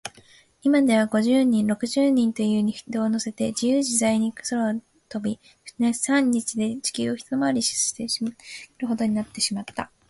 いまでは、五十人、六十人という人をのせて、じゆうじざいに空を飛び、二、三日で地球をひとまわりできるほどになってしまった。